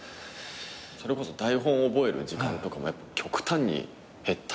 それこそ台本を覚える時間とか極端に減ったりするから。